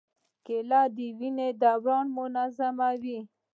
کېله د وینې دوران منظموي.